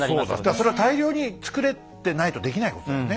それは大量に作れてないとできないことだよね。